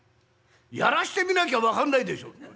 やらしてみなきゃ分かんないでしょ。